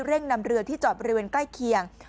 เร่งนำเรือที่จอดบริเวณใกล้เคียง